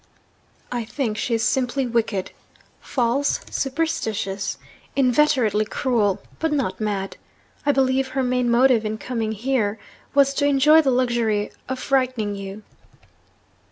'I think she is simply wicked. False, superstitious, inveterately cruel but not mad. I believe her main motive in coming here was to enjoy the luxury of frightening you.'